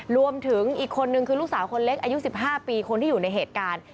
รวมถึงอีกคนนึงคือลูกสาวคนเล็กอายุ๑๕ปีคนที่อยู่ในเหตุการณ์